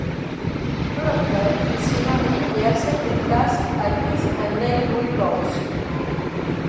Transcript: Peu après, il se marie et accepte une place à Tooth & Nail Records.